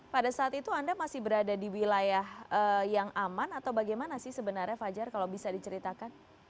pada saat itu anda masih berada di wilayah yang aman atau bagaimana sih sebenarnya fajar kalau bisa diceritakan